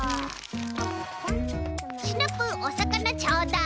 シナプーおさかなちょうだい。